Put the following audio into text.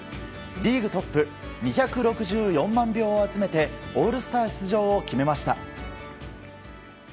リーグトップ２６４万票を集めてオールスター出場を決めました。